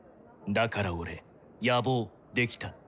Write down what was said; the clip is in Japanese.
だからオレ野望できた。